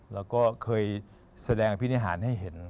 แล้วก็เคยแสดงอภินิหารให้เห็น